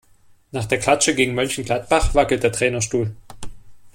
Nach der Klatsche gegen Mönchengladbach wackelt der Trainerstuhl.